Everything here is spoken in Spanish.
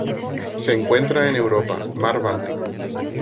Se encuentra en Europa: Mar Báltico.